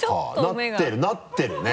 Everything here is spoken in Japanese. なってるなってるね。